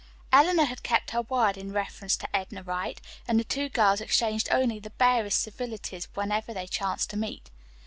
Eleanor had kept her word in reference to Edna Wright, and the two girls exchanged only the barest civilities whenever they chanced to meet.